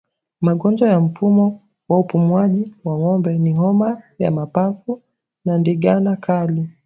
Magonjwa ya mfumo wa upumuaji kwa ngombe ni homa ya mapafu na ndigana kali